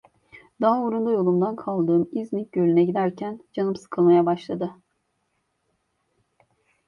Daha uğrunda yolumdan kaldığım İznik Gölü'ne giderken canım sıkılmaya başladı.